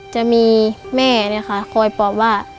จะมีแม่คอยแบบว่า